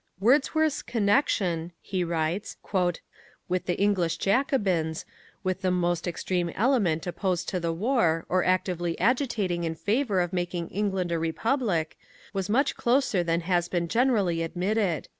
"Wordsworth's connection," he writes, "with the English 'Jacobins,' with the most extreme element opposed to the war or actively agitating in favour of making England a republic, was much closer than has been generally admitted."